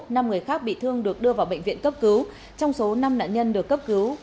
năm người khác bị thương được đưa vào bệnh viện cấp cứu trong số năm nạn nhân được cấp cứu